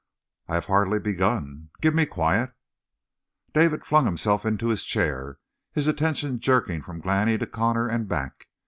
"I have hardly begun. Give me quiet." David flung himself into his chair, his attention jerking from Glani to Connor and back.